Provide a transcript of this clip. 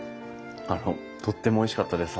あのとってもおいしかったです。